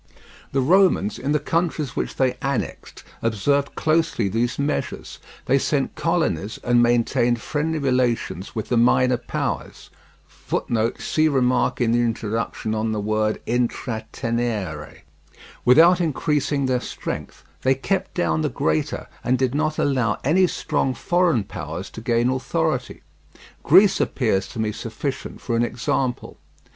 The Romans, in the countries which they annexed, observed closely these measures; they sent colonies and maintained friendly relations with the minor powers, without increasing their strength; they kept down the greater, and did not allow any strong foreign powers to gain authority. Greece appears to me sufficient for an example.